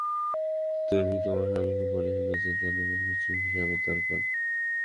আমি তোমার স্বামীকে বলছি যে তার নতুন কিছু হিসাবের দরকার।